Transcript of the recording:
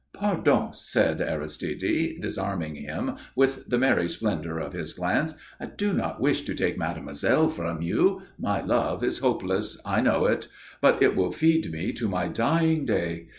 "Pardon," said Aristide, disarming him with the merry splendour of his glance. "I do not wish to take mademoiselle from you. My love is hopeless! I know it. But it will feed me to my dying day.